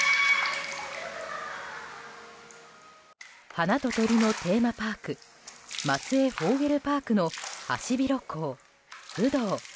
花と鳥のテーマパーク松江フォーゲルパークのハシビロコウ、フドウ。